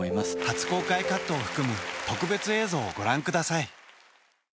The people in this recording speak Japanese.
初公開カットを含む特別映像をご覧ください